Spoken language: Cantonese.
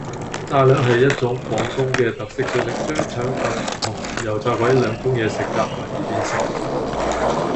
炸兩係一種廣東嘅特色小食，將腸粉同油炸鬼兩種嘢食夾埋而變成